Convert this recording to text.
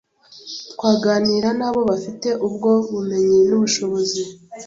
twaganira na bo bafite ubwo bumenyi n’ubushobozi